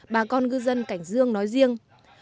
bà con ngư dân cảnh dương nói riêng